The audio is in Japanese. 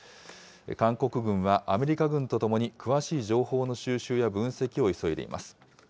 韓国軍はアメリカ軍とともに、詳しい情報の収集や分析を急いでいます。